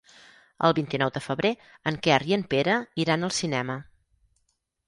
El vint-i-nou de febrer en Quer i en Pere iran al cinema.